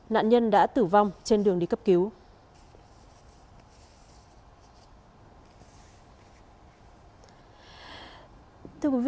nạn nhân đã tử vong trên đường đi cấp cứu